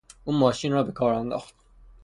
او ماشین را به کار انداخت.